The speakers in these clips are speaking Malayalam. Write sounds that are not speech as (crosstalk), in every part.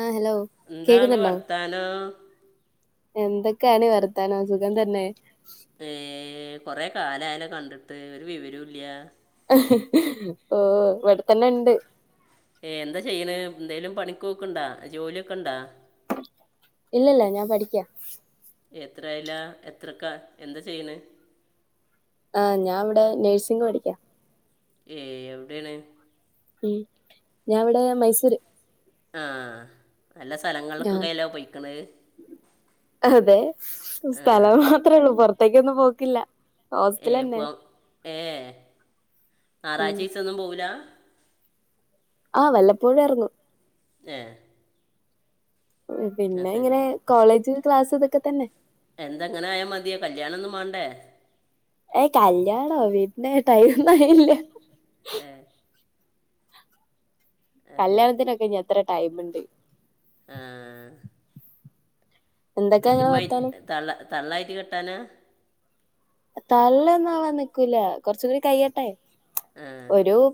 ആഹ് ഹലോ എന്താണ് കേക്കുന്നുണ്ടോ വർത്താനം എന്തൊക്കാണ് വർത്താനോ സുഖം തന്നെ ഏ കൊറെ കാലായാലോ കണ്ടിട്ട് ഒരു വിവരോം ഇല്ല്യാ ഓ ഇവിട്ത്തന്നെ ഉണ്ട് എന്താ ചെയ്യണ് എന്തേലും പണിക്കോക്കുണ്ടാ ജോലിയൊക്കെ ഉണ്ടാ ഇല്ലില്ല ഞാൻ പഠിക്ക എത്രായില എത്രക്കാ എന്താ ചെയ്യണ് ആ ഞാൻ ഇവിടെ നേഴ്സിംഗ് പഠിക്കാ ഏയ് എവിടെയാണ് ഉം ഞാൻ ഇവിടെ മൈസൂര് ആഹ് നല്ല ആഹ് സ്ഥലങ്ങളിലക്കൊക്കല്ലോ പൊയ്ക്ക്ണ് അതെ സ്ഥലം മാത്രേ ഉള്ളൂ പുറത്തേക്കൊന്നും പോക്കില്ല ഏ ഹോസ്റ്റ്ലന്നെ പോവാ ഏ ഉം ഞായറാഴ്ച ദിവസോന്നും പോവൂല ആഹ് വല്ലപ്പോഴും എറങ്ങും ഏ ആ പിന്നെ ശരി ഇങ്ങനെ കോളേജ് ക്ലാസ് ഇതൊക്കെ തന്നെ എന്തെങ്ങനെ ആയാ മതിയോ കല്യാണം ഒന്നും മേണ്ടേ ഏയ് കല്യാണോ വീട്ട്നെ ടൈമൊന്നും ആയില്ല ആഹ് ശരി കല്യാണത്തിനൊക്കെ ഇനി എത്ര ടൈമുണ്ട് ആ എന്തൊക്കെയാ ഇങ്ങളെ വല്യമ്മായ് വർത്താനം തള്ള തള്ളായിട്ട് കെട്ടാന തള്ളെന്നുമാവാൻ നിക്കൂല കൊറച്ച് കൂടി കയിയട്ടെ ആ ഒരു-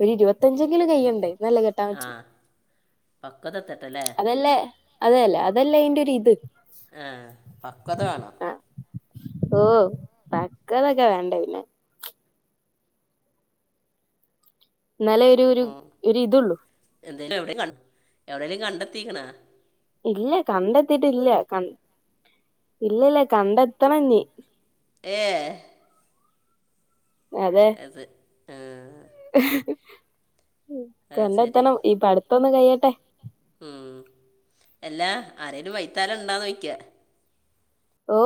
ഒരു ഇരുവത്തഞ്ചെങ്കിലും കയിയണ്ടേ എന്നാലല്ലെ കെട്ടാൻ ആ പറ്റു പക്വത എത്തട്ടല്ലേ അതല്ലേ അതേല്ല അത് അതല്ലെ അയിന്റൊരിത് ആ പക്വത വേണം ഓ പക്വതൊക്കെ വേണ്ടേ പിന്നെ എന്നാലേ ഒരു ഒരു ഉം. ഒരിതൊള്ളൂ എന്തേലും എവിടെയും കണ്ടെത്തീക്കണാ ഇല്ല കണ്ടെത്തിട്ടില്ല ഇല്ലില്ല കണ്ടെത്തണം ഇനി ഏ അതെ ആഹ് (unintelligible) ഉം അത് ശരി കണ്ടെത്തണം ഈ പടുത്തൊന്ന് കഴിയട്ടെ ഉം എല്ലാ ആരേലും വൈത്താലം ഉണ്ടോന്നോയിക്കാ ഓ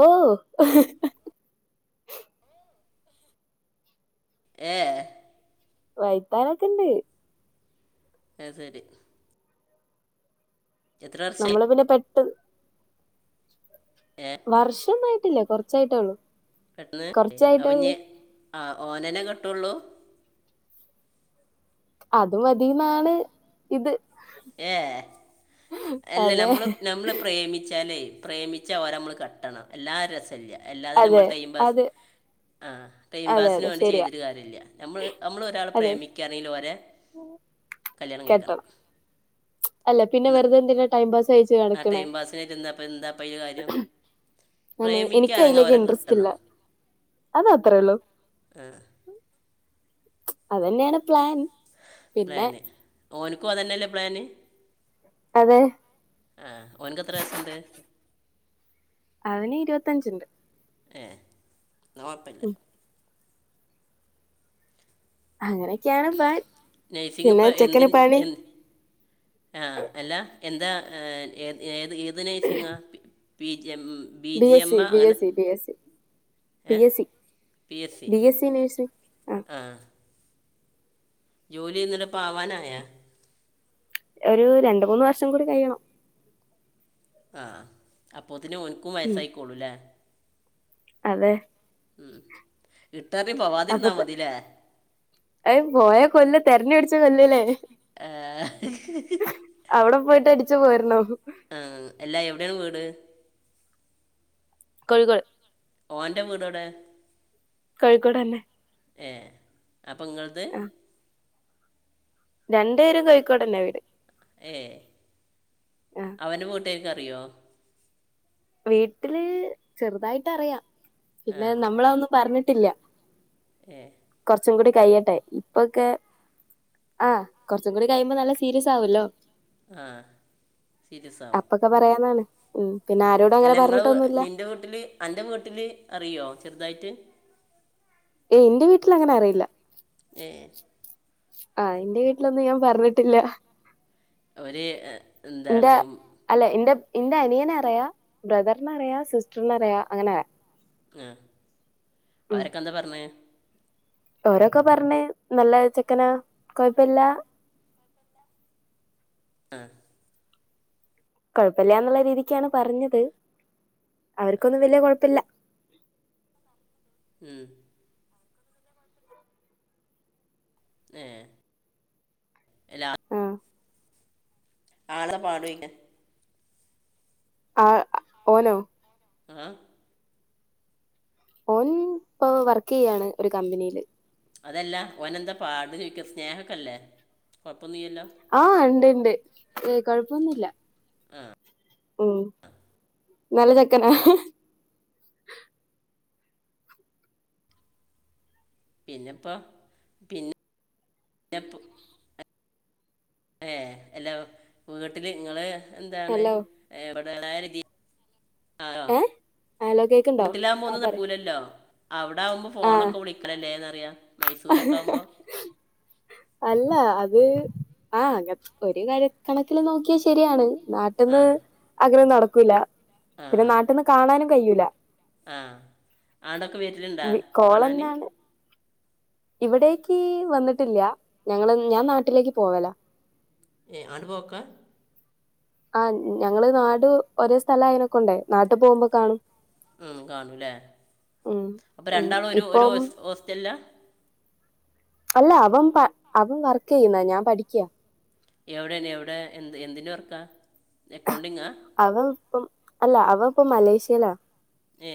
ഏ വൈത്താലൊക്കെ ഇണ്ട് അ ശരി എത്ര വർഷമായി നമ്മള് പിന്നെ പെട്ട- ഏ വർഷൊന്നായിട്ടില്ലേ കൊറച്ചായിട്ടേ ഉള്ളൂ പെട്ടന്ന് അവ കുറച്ചായിട്ടേ ഉള്ളൂ ആ ഓനനെ കെട്ടുള്ളു അത് മതിന്നാണ് ഇത് ഏ അല്ല അതെ നമ്മള് നമ്മള് പ്രേമിച്ചാലേ പ്രേമിച്ച അവഓര നമ്മള് കട്ടണം എല്ലാവരും രസമല്ല എല്ലാതും നമ്മൾ അതെ ടൈം പാസ്- അത് ആ് ടൈം അതെ പാസിന് അതെ വേണ്ടി ശരിയാ ചെയ്തരു കാര്യമില്ല നമ്മ നമ്മൾ ഒരാള് അതെ പ്രേമിക്കാണെങ്കിലും ഓനെ കല്യാണം കഴിക്കണം കെട്ടണം അല്ല പിന്നെ ന്ന- വെറുതെ എന്തിനാ ടൈംപാസ് ആ ടൈം പാസിനായിട്ട് എന്താപ്പ എന്താപ്പയില് കാര്യം അനെ എനിക്ക് പ്രേമിക്കുകയാണെങ്കിൽ അതിലേക്ക് ഓരെ ഇൻട്രസ്റ്റ് ഇല്ല കിട്ടണം അത അത്രേ ഉള്ളു ആഏ അതന്നെയാണ് പ്ലാൻ പിന്നെ പ്ലാന് ഓനിക്കും അതന്നെയല്ലേ പ്ലാന് അതെ ആ ഓന്ക്ക് എത്ര വയസ് ഉണ്ട് അവന് ഇരുപത്തഞ്ച ഉണ്ട് ഏഹ കുഴപ്പില്ല അങ്ങനൊക്കെയാണ് നഴ്സിംഗ് പിന്നെ ഇപ്പം ചെക്കന എന്തിൻ്റെ പണി- എന്ത് ആ അല്ല എന്താ ഏ ഏത് ഏത് നേഴ്സിംഗ് ആ എം ബി ജി എമ്മ അങ്ങനെ പി. ഏ S C B S C nursing ആ ജോലിന്നിട പാവാനായ ഒരു രണ്ട മൂന്ന് വർഷം കൂടി കഴിയണം ആ അപ്പത്തിന് ഒനക്കും ഉം വയസായിക്കോള്ളൂല്ലേ അതെ ഉം ഇ് അപ്പത്തെ അ പോയ കൊല്ല തെരഞ്ഞ അടിച്ച കൊല്ലല്ലേ ഏ, അവിടെ പോയിട്ട് അടിച്ചു പോരണോ എല്ലാ എവിടെയാണ് വീട് കഴികൾ ഓൻ്റെ വീടോടെ കോഴിക്കോട് തന്നെ ഏ അപ്പം നിങ്ങളത് രണ്ടു പേരും കോഴിക്കോടന്നെ വീട് ഏയ് ആ അവന് വീട്ടേക്ക് അറിയോ വീട്ടില് ചെറുതായിട്ട് അറിയാം പിന്നെ നമ്മള ഒന്ന് പറഞ്ഞിട്ട് ട്ടില്ല എഏ കുറച്ചും കൂടി കഴിയട്ടെ ഇപ്പൊക്കെ ആ കൊറച്ചും കൂടി കഴിയുമ്പോ നല്ല സീരിയസ് ആവല്ലോ ആ സീരിയസ ആവും അപ്പൊക്കെ പറയാന്നാണ് ഉം പിന്നെ ആരോ അല്ല നിങ്ങളെ നിന്റെ വീട്ടില് എന്റെ വീട്ടില് അറിയോ ചെറുതായിട്ട് ഏ എൻ്റെ വീട്ടിൽ അങ്ങനെ അറിയില്ല ഏ ആ എൻ്റെ വീട്ടിലൊന്നും ഞാൻ പറഞ്ഞിട്ടില്ല ഒരു എന്റെ അല്ലെ എന്റെ എന്റെ അനിയനെ അറിയ ബ്രദറിന അറിയാം സിസ്റ്ററിന അറിയ അങ്ങനെ അറിയാം ആ അവരൊക്കെ എന്താ പറഞ്ഞെ ഓരോക്കെ പറഞ്ഞേ നല്ല ചെക്കനാ കൊഴപ്പില്ല ആ കുഴപ്പില്ലന്നുള്ള രീതിക്കാണ് പറഞ്ഞത് അവർക്കൊന്നും വലിയ കൊഴപ്പില്ല ഉം ഏ എല്ലാ ആഹ് (unintelligible) ആ ഓനോ ആ ഓൻ ഇപ്പൊ വർക്ക് ചെയ്യയാണ് ഒരു കമ്പനിയില് അതല്ല ഓനന്താ ചോദിക്ക സ്നേഹക്കല്ലേ ആ ഇ ണ്ട് ഇണ്ട് ഏ കൊഴപ്പൊന്നുമില്ല ഉം നല്ല ചക്കനാ പിന്നെപ്പൊ പിന്നെ പ്പ ഏ എല്ലാം വീട്ടില് നിങ്ങള് എന്താണ് ഹലോ (unintelligible) ഏ ഹലോ കേക്കുണ്ടോ വീട്ടിലാകുമ്പോ ആ ഒന്നും പറ നടക്കില്ലല്ലോ അവിട ആകുമ്പോ ആ ഫോണൊക്കെ വിളിക്കല്ലേന്നറിയാം അല്ല അ ത് ആ അകാ ഒരു കരക്കണക്കില് നോക്കിയാൽ ശരിയാണ് ആ നട്ടൊന്നു അങ്ങനെന്നും നടക്കൂല്ല പിന്നെ നാട്ടെന്ന് കാണാനും കഴിയുല്ലാ ഉംആടൊക്കെ വീട്ടുണ്ടാ കാണാന് കോളന്നാണ് ഇവിടേക്ക് വന്നിട്ടില്ല ഞങ്ങള് ഞാൻ നാട്ടിലേക്ക് പോവലാ (unintelligible) ആ ഞങ്ങള് നാട് ഒരേ സ്ഥലം ആയനൊക്കെണ്ടേ നാട്ടി പോകുമ്പോ കാണും ഉം കാണൂല്ലേ ഉം അപ്പൊ ഉം രണ്ടാളും ഒരു ഒരു ഇപ്പം ഹോസ്റ്റലിലാ അല്ല അവൻ അവൻ വർക്ക് ചെയ്യുന്ന ഞാൻ പഠിക്കയാ എവിടെണ് എവിടെ എന്ത് എന്തിന്റെ വർക്കാ അക്കൗണ്ടിങ്ങാ അവൻ ഇപ്പം അല്ല അവ ഇപ്പൊ മലേഷ്യയിലാ ഏ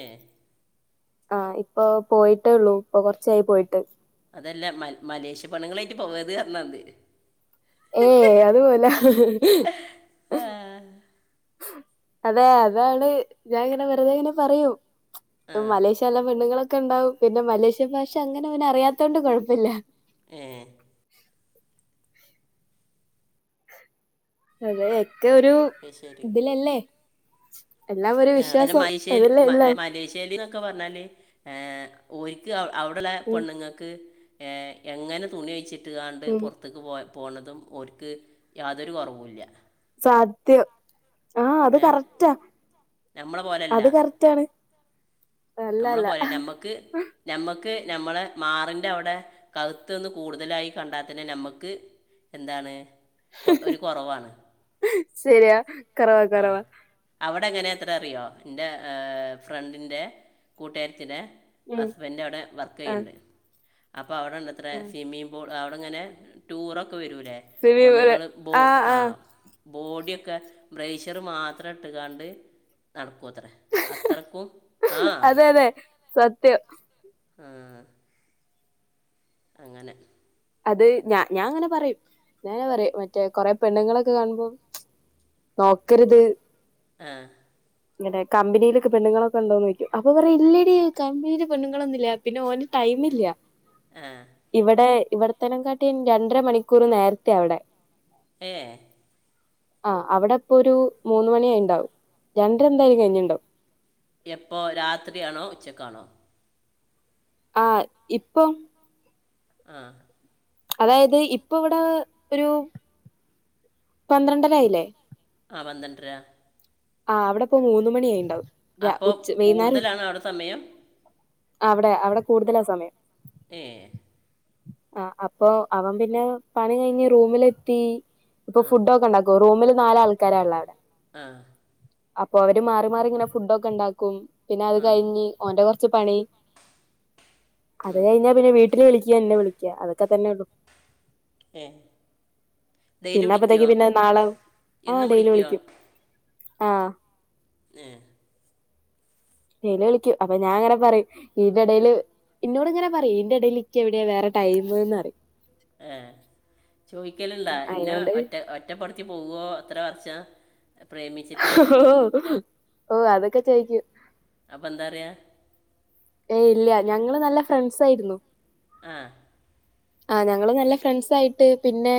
ആ ഇപ്പൊ പോയിട്ടേള്ളൂ ഇപ്പൊ കൊറച്ചായി പോയിട്ട് അതല്ല മ മലേഷ്യ പെണ്ണുങ്ങളായിട്ട് പോവത് അന്നാന്ത് ഏ അതുപോല ആ അതെ അതാണ് ഞാനിങ്ങനെ വെറുതെ ഇങ്ങനെ പറയൂ ആ മലേഷ്യ നല്ല പെണ്ണുങ്ങളൊക്കെ ഉണ്ടാവും പിന്നെ മലേഷ്യ ഭാഷ അങ്ങനെ അവന് അറിയാതോണ്ട് കുഴപ്പില്ല ഏ അതെ ഒക്കെ ഒരു ശരി ഇതിലല്ലേ എല്ലാം ഒരു ആ, വിശ്വാസം അതല്ലേ എല്ലാം ക്കെ പറഞ്ഞാല് ഒരിക്ക് അവിടെള്ള ഉം, പെണ്ണുങ്ങൾക്ക് എങ്ങനെ തുണി വെച്ചിട്ട്ണ്ട് ഉം. പുറത്തേക്ക് പോകൻ പോണതും ഒരുക്ക് യാതൊരു കുറവില്ല സത്യം ആ അത് ഏഹ് കറക്റ്റാ നമ്മളെ പോലെയല്ല അത് കറക്റ്റാണ് അല്ല നമ്മളെ അല്ല പോലെ നമ്മക്ക് നമ്മക്ക് ക്ക് നമ്മള് മാറിന്റെ അവിടെ കഴുത്തൊന്ന് കൂടുതലായി കണ്ടാൽത്തന്നെ നമ്മുക്ക് എന്താണ് കൊ ഒരു കുറവാണ് ശരിയാ കുറവാ കുറവാ ത്ര അറിയോ എൻ്റെ ഫ്രണ്ടിൻ്റെ കൂട്ടുകാരിത്തിടെ ഉം ഹസ്ബൻഡ് അവിടെ വർക്ക് ആ ചെയ്യണ്ട് അവിടെ ഉണ്ടത്ര ആ സ്വിമ്മിംഗ്പുൾ അവിടെങ്ങനെ ടൂറൊക്കെ വരൂലേ സിനിമ പെണ്ണുങ്ങളും ബു ആ ബോഡിയൊക്കെ ബ്രയിശർ മാത്രം ഇട്ട് കാണ്ട് നടക്കും ക്കത്ര ആത്തരക്കു ആഹ സത്യ ആഹ അങ്ങനെ അത് ഞാൻ ഞാൻ അങ്ങനെ പറയും ഞെ പറയും മറ്റേ കൊറെ പെണ്ണുങ്ങളൊക്കെ കാണുമ്പോം നോക്കരുത് ആഹ ഇങ്ങടെ കമ്പനിയിലൊക്കെ പെണ്ണുൊക്കെണ്ടോന്ന് നോക്ക അപ്പൊ പറ ഇല്ല കമ്പനിൽ പെണ്ണുങ്ങളൊന്നുംല്ല പിന്നെ ഓ ില്ല ആ ഇവിടെ ഇവിടെത്തനകാട്ടി രണ്ടര മണിക്കൂർ നേരത്തെ അവിടെ എഏ ആ അവിടെ അപ്പൊ ഒരു മൂന്ന മണിയായി ഉണ്ടാവും രണ്ടര എന്തായാലും കഴിഞ്ഞുണ്ടാവും എപ്പോൊ രാത്രിയാണോ ഉച്ചക്കാണോ ആഹ് ഇപ്പൊ ആഹ അതായത് ഇപ്പൊ ഇവിടെ ഒരു പന്ത്രണ്ടരായില്ലേ ആ വന്ന്ന്റ ആഹ് അവിടെ ഇപ്പോ മൂന്ന മണിയ ആയിണ്ടാവും അപ്പൊ കൂടുതലാണ് അവിടെ സമയം അവിടെ അവിടെ കൂടുതലാ സമയം ഏ ആഹ് അപ്പൊ അവൻ പിന്നെ പണി കഴിഞ്ഞ് റൂമിലെത്തി ഇപ്പൊ ആ ഫുഡ് ഒക്കെ ഇണ്ടാക്കു റൂമില് നാല് ആൾക്കാരാ ഇള്ളെ അവിടെ ആഹ് അപ്പൊ അവര് മാറി മാറി ഇങ്ങനെ ഫുഡൊക്കെ ഇണ്ടാക്കും പിന്നെ അത് ആ കഴിഞ്ഞ് ഓന്റെ കൊറച്ച് ച്ച് പണി അത് ഉം. കഴിഞ്ഞ പിന്നെ വീട്ടിൽ വിള എന്നെ വിളിക്ക അതൊക്കെ തന്നെ ഉള്ളു ഏഹ് പിന്നെ അപ്പത്തേക്ക് പിന്നെ നാളാവും ആഹ് എന്നും ഇടയില് വിളിക്കുവോ വിളിക്കും ആഹ് ഏഹ് യില് വിളിക്കും അപ്പൊ ഞാൻ അങ്ങനെ പറയും ഇതിൻ്റെ ഇടയില് ഇന്നോട് ഇങ്ങനെ പറയും ഇന്റെ ഇടേല് നിക്കെവിടാ വേറെ ടൈംമ്ന്ന്റയും ഏഹ് ചോയിക്കലിണ്ടാ ഇന്ന അയിനോണ്ട് ഒറ്റ ഒറ്റപ്പെടുത്തി പോവോ അത്ര വർഷ ഓഹ് അതൊക്കെ ചോയിക്കും അപ്പന്താറയ ഏയ് ഇല്ല്യാ ഞങ്ങള് നല്ല ഫ്രണ്ട്സ് ആയിരുന്നു ആഹ് ആഹ് ഞങ്ങള് നല്ല ഫ്രണ്ട്സായിട്ട് പിന്നെ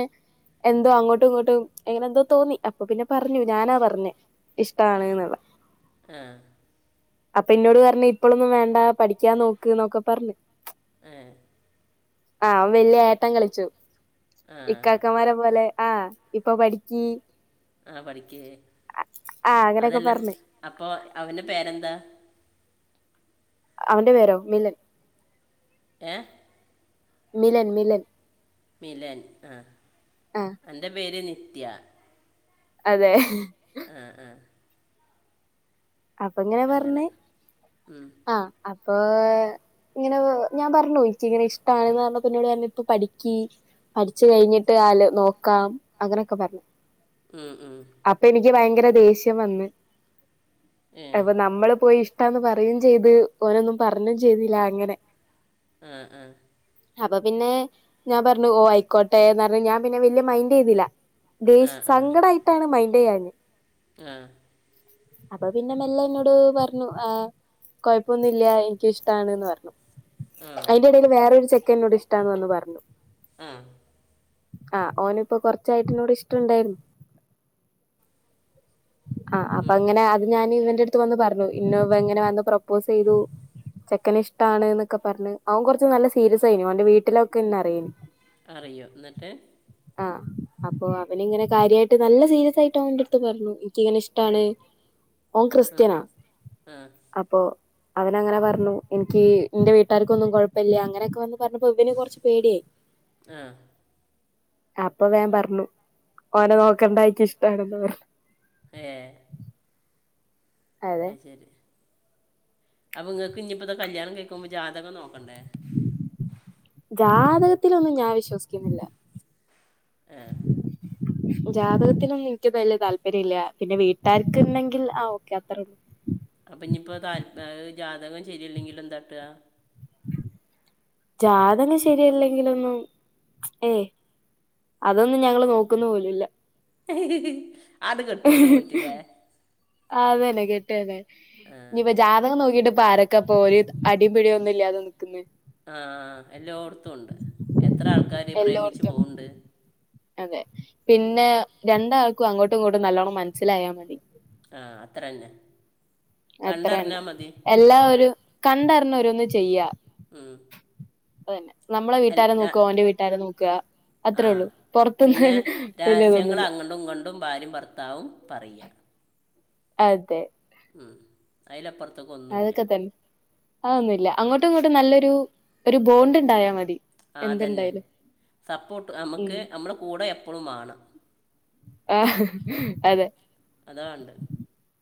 എന്തോ അങ്ങോട്ടും ഇങ്ങോട്ടും എങ്ങനെ എന്തോ തോന്നി അപ്പൊ പിന്നെ പറഞ്ഞു ഞാനാ പറഞ്ഞേ ഇഷ്ടാണ് എന്നുള്ളത് ആഹ് അപ്പൊ എന്നോട് പറഞ്ഞ് ഇപ്പളൊന്നും വേണ്ട പഠിക്കാ നോക്ക് എന്നൊക്കെ പറഞ്ഞു ആഹ് ആഹ് വലിയ ഏട്ടൻ കളിച്ചു ആ ഇക്കാക്കന്മാരെ പോലെ ആഹ് ഇപ്പൊ പഠിക്കീ ആഹ് പഠിക്ക് ആ അങ്ങനെയൊക്കെ അതല്ല പറഞ്ഞു അപ്പൊ അവന്റെ പേരെന്താ അവന്റെ പേരോ മിലൻ ഏഹ് മിലൻ മിലൻ മിലൻ ആഹ് ആ എന്റെ പേര് നിത്യ അതെ ആഹ് ആഹ് അപ്പൊങ്ങനെ പറഞ്ഞേ ഉം. ആഹ് അപ്പൊ ഇങ്ങനെ ഞാൻ പറഞ്ഞു ഇക്കിങ്ങനെ ഇഷ്ടണെന്ന് പറന്നപ്പോ ന്നോട് പറഞ്ഞു ഇപ്പ പഠിക്കി പഠിച്ചു കഴിഞ്ഞിട്ട് ആല് നോക്കാം അങ്ങനെക്കെ പറഞ്ഞു ഉം, ഉം. അപ്പ എനിക്ക് ഭയങ്കര ദേഷ്യം വന്ന് ഏ അപ്പൊ നമ്മള് പോയി ഇഷ്ടാന്ന് പറയും ചെയ്ത് ഓനൊന്നും പറഞ്ഞും ചെയ്തില്ല അങ്ങനെ ആഹ് ആഹ് അപ്പൊ പിന്നെ ഞാൻ പറന്നു ഓഹ് ആയിക്കോട്ടെന്ന്റഞു ഞാൻ പിന്നെ വല്യിയ മൈൻഡീതിലാ ആ ദേഷ് സങ്കടായിട്ടാണ് മൈന്റെയഞ്ഞെ ആഹ് അപ്പൊ പിന്നെ മെല്ല എന്നോട് പറഞ്ഞു ആഹ് കോയ്പ്പൊന്നുല്ല എനിക്കുഷ്ടാണ്ന്ന് പറഞ്ഞു ആ അയിന്റെടെൽ വേറൊരു ചെക്ക എന്നോട് ഇഷ്ടാന്ന് വന്ന് പറഞ് മ്മ് ആഹ് ഓനിപ്പോ കൊറച്ചായിട്ടിന്നോടിഷ്ടണ്ടായിരുന്നു ആഹ് അപ്പൊ ഉം. അങ്ങനെ അത് ഞാന് ഇവന്റെടുത്ത് വന്ന് പറന്നു ഇന്ന ഇവ ങ്ങനെ വന്ന് പ്രപ്പോസെയ്തു ചെക്കനിഷ്ടാണ്ന്നക്കെ പറണ്‌ അവൻ കൊറച്ച് നല്ല സീരിയസയിനു അവൻന്റെ വീട്ടിലൊക്കെന്നെ അറിയിനി അറിയോ ന്നിട്ട് ആഹ് അപ്പൊ അവനിങ്ങനെ കാര്യാട്ട് നല്ല സീരിയസ് ആയിട്ട് അവന്റെടുത്ത് പറണു ക്കിങ്ങനെ ആ ഇഷ്ടാണ് ഓൻ ആ ക്രിസ്ത്യന ആ അപ്പൊ അവനങ്ങനെ പറഞ്ഞു എനിക്കീ ഇന്റെ വീട്ടാർക്കൊന്നും കുഴപ്പല്യ അങ്ങനെയൊക്കെ വന്ന് പറഞ്ഞപ്പോ ഇവനെ കൊർച്ച് പേടിയായി ആ അപ്പൊ വേൻ പറഞ്ഞു ഓനെ നോക്കണ്ടായിക്ക് ഇഷ്ടാണ് ന്ന് പറഞ്ഞു ഏഹ് അതെ അത്ശരി അപ്പൊ ഇങ്ങക്ക് ഇഞിപ്പത് കല്യാണം കഴിക്കുമ്പോ ജാതകം നോക്കണ്ടേ ജാതകത്തിലൊന്നും ഞാൻ വിശ്വസിക്കുന്നില്ല ഏഹ് ജാതകത്തിലൊന്നും ഇൻക്ക്ത് വല്യ താല്പര്യം ഇല്ല പിന്നെ വീട്ടുകാർക്ക് ഉണ്ടെങ്കിൽ ആ ഓക്കെ അത്ര ഉള്ളൂ അപ്പം ഇനിയിപ്പോൾ താല്പ ജാതകം ശെരിയല്ലെങ്കി എന്താട്ടാ ജാതക ശരിയല്ലെങ്കിലൊന്നും ഏയ് അതൊന്നും ഞങ്ങള് നോക്കുന്ന പോലുംല്ല അത് കെട്ടന്നെ പോയിട്ട് ല്ലേ ആ അതന്നെ കെട്ടന്നെ ആ ഇനിയിപ്പ ജാതകം നോക്കിട്ട് പാരൊക്ക പ്പോര് അടിം പിടിയൊന്നുല്യാതെ ആഹ് എല്ലോട്ത്തുണ്ട് എത്ര ആൾക്കാര് ഈ പ്രേമിച്ച് എല്ലോടത്തും പോവ്ണ്ട് അതെ പിന്നെ രണ്ടാൾക്കും അങ്ങോട്ടും ഇങ്ങോട്ടും നല്ലോണം മനസ്സിലായാൽ മതി ആഹ് അത്രന്നെ അത്ര തന്നെ. എല്ലാ ഒരു കണ്ടർഞ് ഓരോന്ന് ചെയ്യാ ഉം അതന്നെ നമ്മളെ വീട്ടാരെ അല്ല നോക്കുവ ഓന്റെ വീട്ടുകാരെ നോക്കാ ആ പിന്നെ വല്യതൊന്നുല്ല രഹസ്യങ്ങളങ്ങണ്ടും ഇങ്ങണ്ടും ഭാരിം ഭർത്താവും പറയ അതെ മ് അയിലപ്പുറത്ക്കൊന്നുല്ല അതൊന്നൂല്ല അങ്ങോട്ടും ഇങ്ങോട്ടും നല്ലൊരു ഒരു ബോണ്ട് ഇണ്ടായാ മതി ആതന്നെ. എന്തുണ്ടായാലും സപ്പോട്ട് ഉം നമ്മക്ക് നമ്മുടെ കൂടെ എപ്പളും മാണം ആഹ് അതെ അതാ വാണ്ടത്